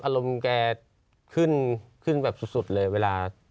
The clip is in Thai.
อารมณ์แกขึ้นขึ้นแบบสุดเลยเวลา